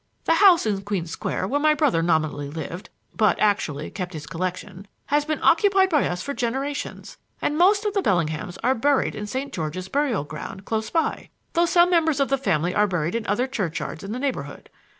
The house in Queen Square where my brother nominally lived, but actually kept his collection, has been occupied by us for generations, and most of the Bellinghams are buried in St. George's burial ground close by, though some members of the family are buried in other churchyards in the neighborhood.